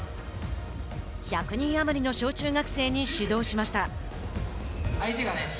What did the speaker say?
１００人余りの小中学生に指導しました。